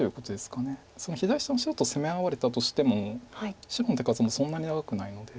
その左下の白と攻め合われたとしても白の手数もそんなに長くないので。